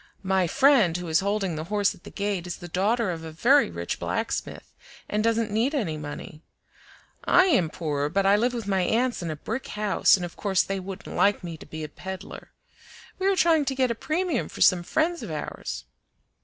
"My friend who is holding the horse at the gate is the daughter of a very rich blacksmith, and doesn't need any money. I am poor, but I live with my aunts in a brick house, and of course they wouldn't like me to be a peddler. We are trying to get a premium for some friends of ours."